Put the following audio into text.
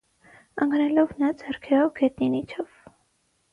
Ընկնելով նա ձեռքերով գետնին իջավ։